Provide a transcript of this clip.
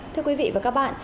thưa quý vị và các bạn